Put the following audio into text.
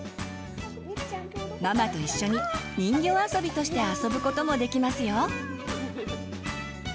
ママと一緒に人形遊びとして遊ぶ事もできますよ。